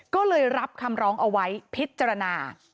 ก็เลยรับคำร้องเอาไว้พิจารณา